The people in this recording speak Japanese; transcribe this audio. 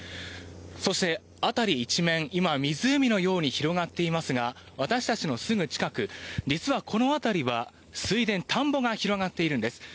そして辺り一面今、湖のように広がっていますが私たちのすぐ近く実はこの辺りは水田、田んぼが広がっているんです。